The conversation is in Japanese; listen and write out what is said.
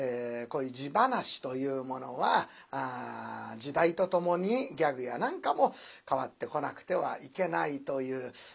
こういう地噺というものは時代とともにギャグや何かも変わってこなくてはいけないという。